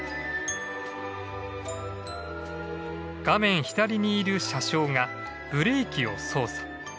画面左にいる車掌がブレーキを操作。